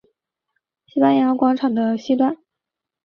西班牙广场的西端。